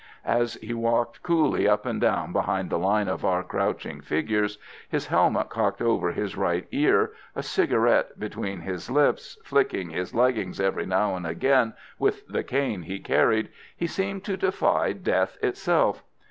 As he walked coolly up and down behind the line of our crouching figures, his helmet cocked over his right ear, a cigarette between his lips, flicking his leggings every now and again with the cane he carried, he seemed to defy death itself.